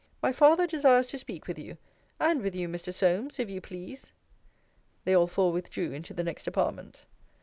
My father desires to speak with you; and with you, Mr. Solmes, if you please. They all four withdrew into the next apartment.